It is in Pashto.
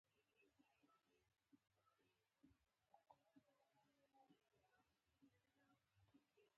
ما ته زنګ ووهئ که تاسو نورو مرستې ته اړتیا لرئ.